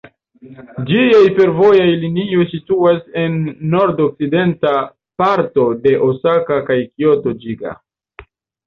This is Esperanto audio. Ĝiaj fervojaj linioj situas en nord-orienta parto de Osaka kaj Kioto, Ŝiga.